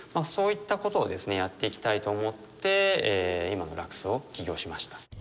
そういったことをですねやっていきたいと思って今のラクスを起業しました。